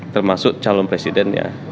termasuk calon presidennya